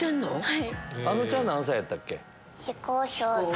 はい。